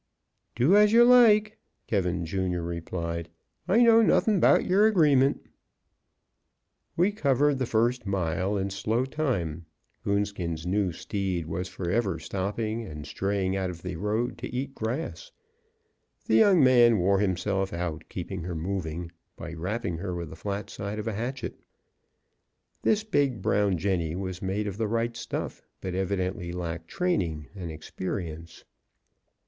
"Do as you like," K , Jr., replied. "I know nothin' 'bout yer agreement." We covered the first mile in slow time. Coonskin's new steed was forever stopping, and straying out of the road to eat grass. The young man wore himself out keeping her moving by rapping her with the flat side of a hatchet. This big, brown jenny was made of the right stuff, but evidently lacked training and experience.